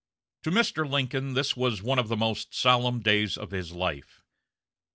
To Mr. Lincoln this was one of the most solemn days of his life.